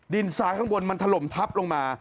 ซ้ายข้างบนมันถล่มทับลงมา